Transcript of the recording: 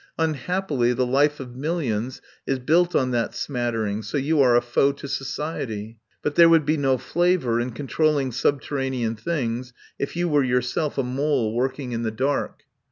Unhappily the life of millions is built on that smattering, so you are a foe to society. But there would be no fla vour in controlling subterranean things if you were yourself a mole working in the dark.